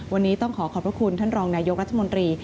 วันนี้ต้องขอขอบพระคุณท่านรองนายกรัฐมนตรี